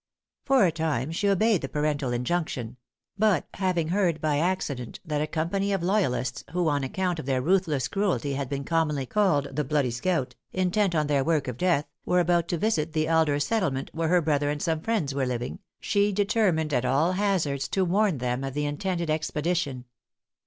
For a time she obeyed the parental injunction; but having heard by accident that a company of loyalists, who on account of their ruthless cruelty had been commonly called the "Bloody Scout," intent on their work of death, were about to visit the "Elder settlement" where her brother and some friends were living, she determined at all hazards to warn them of the intended expedition.